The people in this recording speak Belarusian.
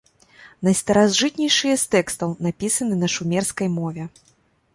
Найстаражытнейшыя з тэкстаў напісаны на шумерскай мове.